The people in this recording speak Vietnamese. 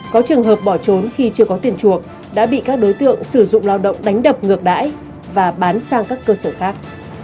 có trường hợp bỏ trốn khi chưa có tiền chuộc đã bị các đối tượng sử dụng lao động đánh đập ngược đãi và bán sang các cơ sở khác